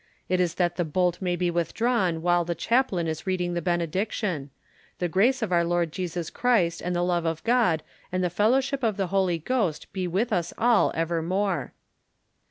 It is that the bolt may be withdrawn while the chaplain is reading the benediction "The grace of our Lord Jesus Christ, and the love of God, and the fellowship of the Holy Ghost, be with us all, evermore."